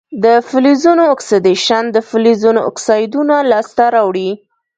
د فلزونو اکسیدیشن د فلزونو اکسایدونه لاسته راوړي.